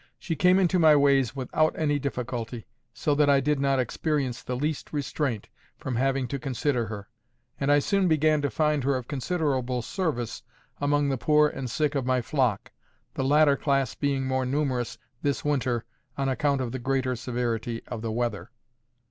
She came into my ways without any difficulty, so that I did not experience the least restraint from having to consider her. And I soon began to find her of considerable service among the poor and sick of my flock, the latter class being more numerous this winter on account of the greater severity of the weather.